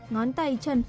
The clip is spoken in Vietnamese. ngón tay chân